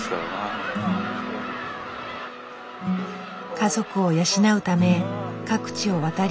家族を養うため各地を渡り歩く生活。